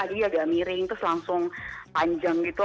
jadi agak miring terus langsung panjang gitu